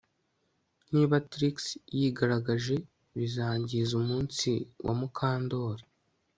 Niba Trix yigaragaje bizangiza umunsi wa Mukandoli